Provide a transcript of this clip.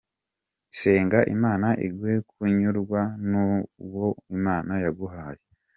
Senga imana iguhe kunyurwa n’uwo Imana yaguhaye.